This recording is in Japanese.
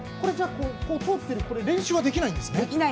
じゃあ、練習はできないんですね。